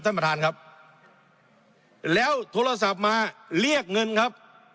ท่านประธานครับแล้วโทรศัพท์มาเรียกเงินครับ